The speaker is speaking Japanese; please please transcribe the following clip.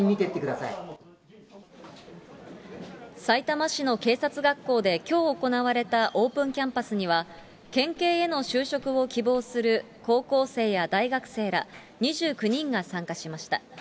さいたま市の警察学校できょう行われたオープンキャンパスには、県警への就職を希望する高校生や大学生ら２９人が参加しました。